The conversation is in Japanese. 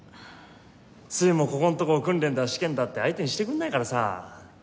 粋もここんとこ訓練だ試験だって相手にしてくれないからさ。